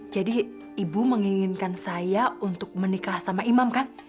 jadi ibu menginginkan saya untuk menikah sama imam kan